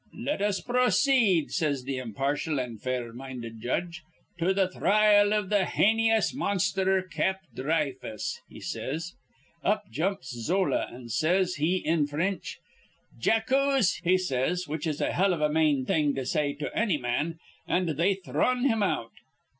'Let us pro ceed,' says th' impartial an' fair minded judge, 'to th' thrile iv th' haynious monsther Cap Dhry fuss,' he says. Up jumps Zola, an' says he in Frinch: 'Jackuse,' he says, which is a hell of a mane thing to say to anny man. An' they thrun him out.